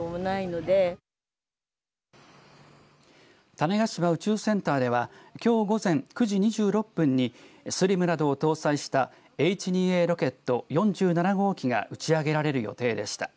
種子島宇宙センターではきょう午前９時２６分にＳＬＩＭなどを搭載したＨ２Ａロケット４７号機が打ち上げられる予定でした。